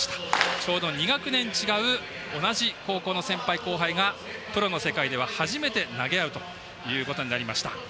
ちょうど２学年違う同じ高校の先輩・後輩がプロの世界では初めて投げ合うということになりました。